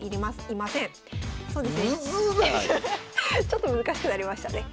ちょっと難しくなりましたね。